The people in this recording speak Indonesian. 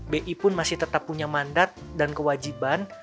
bi pun masih tetap punya mandat dan kewajiban